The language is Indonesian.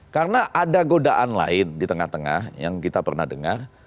karena ada godaan lain di tengah tengah yang kita pernah dengar